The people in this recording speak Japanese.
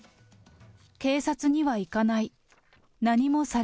警察には行かない。